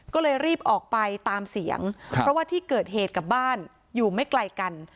ก็เลยรีบออกไปตามเสียงเพราะว่าที่เกิดเหตุกับบ้านอยู่ไม่ไกลกัน